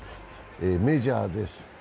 メジャーです。